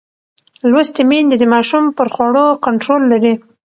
لوستې میندې د ماشوم پر خوړو کنټرول لري.